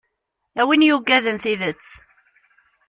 A win yuggaden tidet.